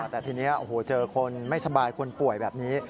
แต่ทีนี้โอ้โหเจอคนไม่สบายคนป่วยแบบนี้